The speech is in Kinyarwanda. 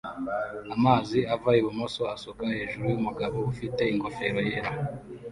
Amazi ava ibumoso asuka hejuru yumugabo ufite ingofero yera